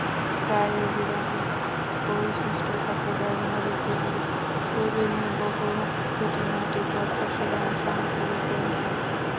প্রায় অভিধানেই পরিশিষ্ট থাকে, ব্যবহারিক জীবনে প্রয়োজনীয় বহু খুঁটিনাটি তথ্য সেখানে সংকলিত হয়।